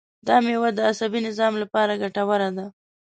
دا مېوه د عصبي نظام لپاره ګټوره ده.